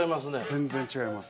全然違います。